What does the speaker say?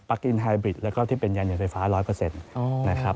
กินไฮบริดแล้วก็ที่เป็นยาเหยียไฟฟ้า๑๐๐นะครับ